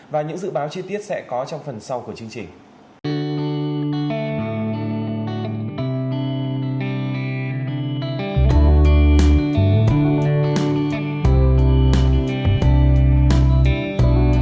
và những dự báo chi tiết sẽ có trong phần sau của chương trình